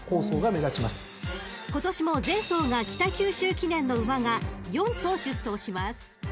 ［今年も前走が北九州記念の馬が４頭出走します！］